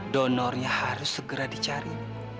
donornya harus segera dicari